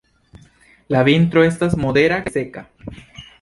La vintro estas modera kaj seka.